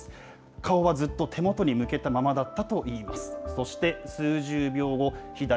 顔はずっと手元に向けたままだったといいます。